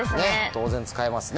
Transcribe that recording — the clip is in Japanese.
当然使いますね。